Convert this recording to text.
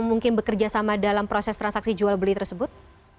mungkin bekerja sama dalam proses transaksi jual beli tersebut